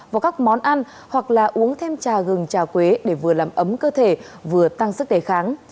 vào các món ăn hoặc là uống thêm trà gừng trà quế để vừa làm ấm cơ thể vừa tăng sức đề kháng